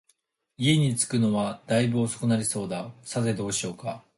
家に着くのは大分遅くなりそうだ、さて、どうしようか